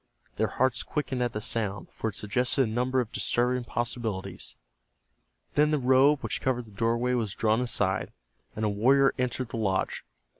Their hearts quickened at the sound, for it suggested a number of disturbing possibilities. Then the robe which covered the doorway was drawn aside, and a warrior entered the lodge.